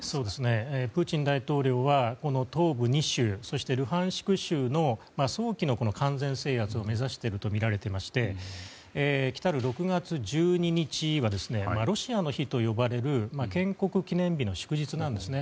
プーチン大統領はこの東部２州そしてルハンシク州の早期の完全制圧を目指しているとみられていてきたる６月１２日はロシアの日と呼ばれる建国記念日の祝日なんですね。